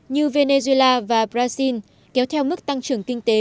như venezuela và brazil kéo theo mức tăng trưởng kinh tế